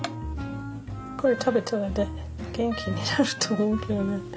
これ食べたら元気になると思うけどね。